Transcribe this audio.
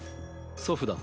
祖父だ。